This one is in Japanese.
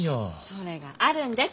それがあるんです